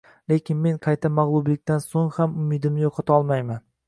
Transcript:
Lekin men qayta mag‘lublikdan so‘ng ham umidimni yo‘qotmayman